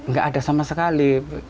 gak ada sama sekali